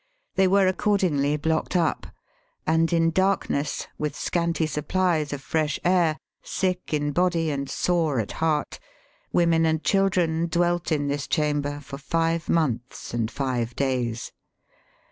They were accordingly blocked up, and in darknops, with scanty suppHes of fresh air, sick in body and Digitized by VjOOQIC 246 EAST BY WEST. sore at heaxt, women and children dwelt in this chamber for five months and five days.